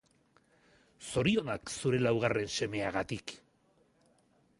Zorionak zure laugarren semeagatik.